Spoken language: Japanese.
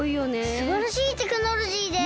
すばらしいテクノロジーです！